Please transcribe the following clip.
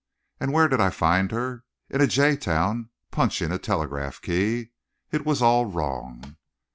And where did I find her? In a jay town punching a telegraph key. It was all wrong.